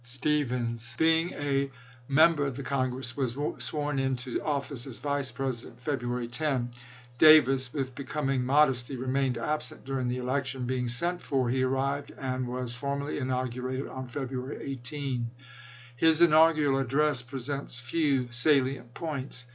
Stephens, being a member of the Congress, was sworn into office as Vice President February 10. isa. Davis, with becoming modesty, remained absent during the election ; being sent for, he arrived and was formally inaugurated on February 18. His inaugural address presents few salient points.